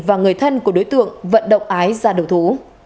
và người thân của đối tượng vận động ái ra đầu thú